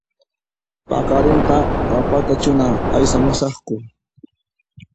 Paqarinqa papatachunan aysamusaqku